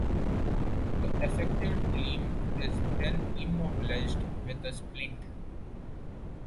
The affected limb is then immobilized with a splint.